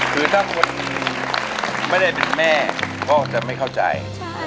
คือถ้าคนไม่ได้เป็นแม่ก็จะไม่เข้าใจ